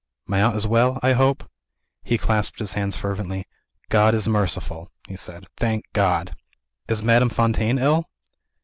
"My aunt is well, I hope?" He clasped his hands fervently. "God is merciful," he said. "Thank God!" "Is Madame Fontaine ill?"